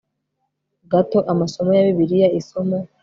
gato amasomo ya bibiliya isomo